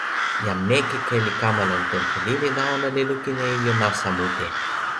jan Mekeke li kama lon tenpo lili la, ona li lukin e ijo nasa mute.